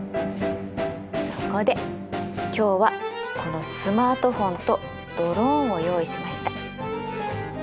そこで今日はこのスマートフォンとドローンを用意しました。